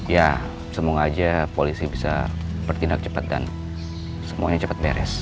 ya semoga aja polisi bisa bertindak cepat dan semuanya cepat beres